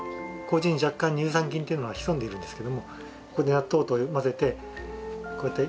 麹に若干乳酸菌っていうのが潜んでいるんですけども納豆と混ぜてこうやって。